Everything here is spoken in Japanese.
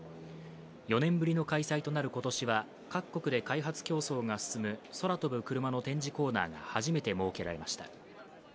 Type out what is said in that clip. ４年ぶりの開催となる今年は、各国で開発競争が進む、空飛ぶクルマの展示コーナーが初めて設けられました。